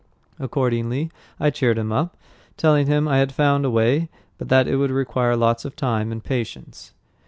Accordingly, I cheered him up, telling him I had found a way, but that it would require lots of time and patience.